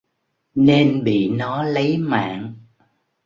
Nên bị nó lấy mạng